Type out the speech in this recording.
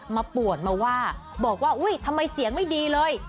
มาป่วนมาว่าบอกว่าทำไมเสียงไม่ดีเลย